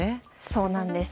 そうなんです。